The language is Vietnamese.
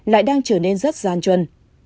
lại đang trở nên rất gian truân